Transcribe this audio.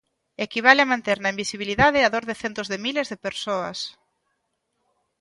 Equivale a manter na invisibilidade a dor de centos de miles de persoas.